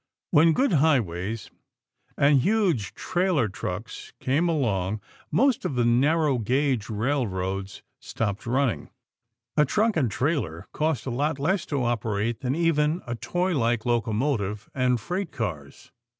When good highways and huge trailer trucks came along, most of the narrow gauge railroads stopped running. A truck and trailer cost a lot less to operate than even a toy like locomotive and freight cars.